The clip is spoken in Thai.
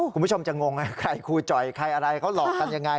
คุณผู้ชมจะงงใครครูจ่อยใครอะไรเขาหลอกกันยังไง